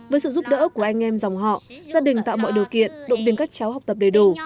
với sự giúp đỡ của anh em dòng họ gia đình tạo mọi điều kiện động viên các cháu học tập đầy đủ